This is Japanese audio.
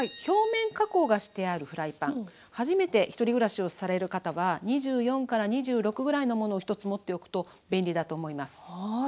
表面加工がしてあるフライパン初めて１人暮らしをされる方は２４２６ぐらいのものを１つ持っておくと便利だと思います。